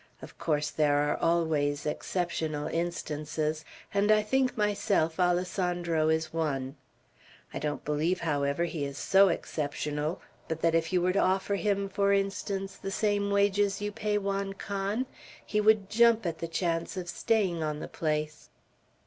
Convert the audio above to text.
Of course there are always exceptional instances, and I think, myself, Alessandro is one. I don't believe, however, he is so exceptional, but that if you were to offer him, for instance, the same wages you pay Juan Can, he would jump at the chance of staying on the place."